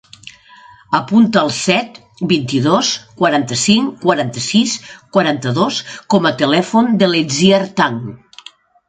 Apunta el set, vint-i-dos, quaranta-cinc, quaranta-sis, quaranta-dos com a telèfon de l'Itziar Tang.